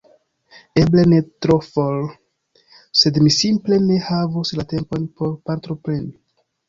Eble ne tro for, sed mi simple ne havus la tempon por partopreni.